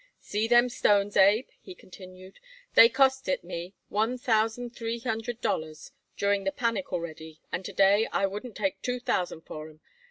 "See them stones, Abe?" he continued. "They costed it me one thousand three hundred dollars during the panic already, and to day I wouldn't take two thousand for 'em.